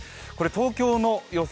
東京の予想